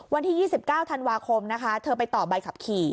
วันที่๒๙ธันวาคมนะคะเธอไปต่อใบขับขี่